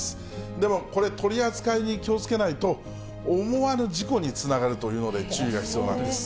でもこれ、取り扱いに気をつけないと思わぬ事故につながるというので、注意が必要なんです。